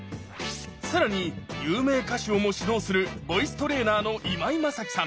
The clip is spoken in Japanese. さらに有名歌手をも指導するボイストレーナーの今井マサキさん